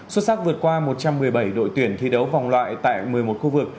xuất sắc vượt qua một trăm một mươi bảy đội tuyển thi đấu vòng loại tại một mươi một khu vực